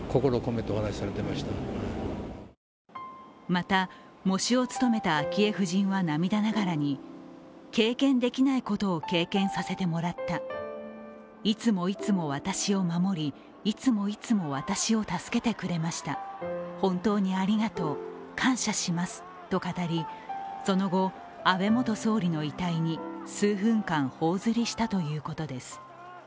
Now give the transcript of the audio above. また、喪主を務めた昭恵夫人は涙ながらに経験できないことを経験させてもらったいつもいつも私を守り、いつもいつも私を助けてくれました、本当にありがとう、感謝しますと語り、その後、安倍元総理の遺体に数分間頬ずりしたということです。